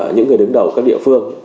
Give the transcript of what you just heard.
những người đứng đầu các địa phương